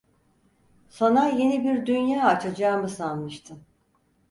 Sana yeni bir dünya açacağımı sanmıştın…